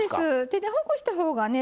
手でほぐしたほうがね